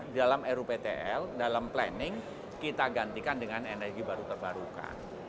dalam ruptl dalam planning kita gantikan dengan energi baru terbarukan